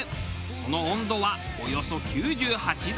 その温度はおよそ９８度。